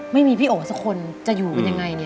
ไม่มีพี่โอสักคนจะอยู่กันยังไงเนี่ย